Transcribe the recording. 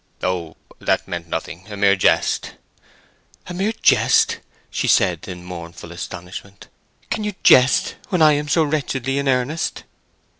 "Oh! that meant nothing—a mere jest." "A mere jest!" she said, in mournful astonishment. "Can you jest when I am so wretchedly in earnest?